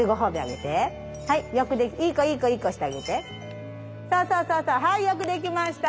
はいよくできました。